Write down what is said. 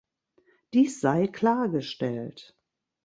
Dies sei klargestellt!